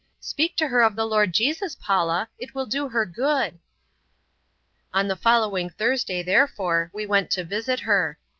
Speak to her of the Lord Jesus, Paula! It will do her good." On the following Thursday, therefore, we went to visit her.